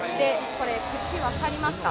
これ口分かりますか？